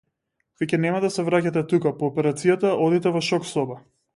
Веќе нема да се враќате тука, по операцијата одите во шок соба.